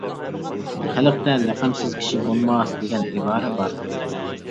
خەلقتە «لەقەمسىز كىشى بولماس» دېگەن ئىبارە بار.